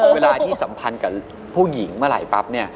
เวลาที่สัมพันธ์กับจงผู้หญิงเมื่อไหร่